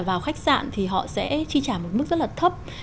vào khách sạn thì họ sẽ chi trả một mức rất là thấp